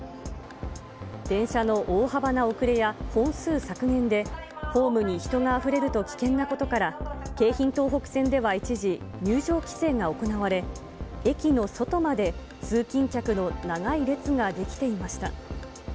電車の大幅な遅れや、本数削減で、ホームに人があふれると危険なことから、京浜東北線では一時、入場規制が行われ、駅の外まで通勤客の長い列が出来ていました。